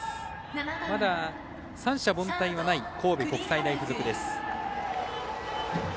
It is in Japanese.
まだ、三者凡退はない神戸国際大付属。